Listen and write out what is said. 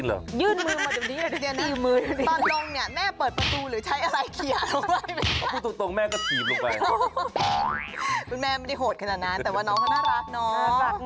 ตอนลงแม่เปิดประตู